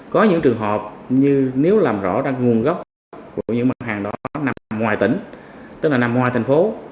có những trường hợp như nếu làm rõ ra nguồn gốc của những mặt hàng đó nằm ngoài tỉnh tức là nằm ngoài thành phố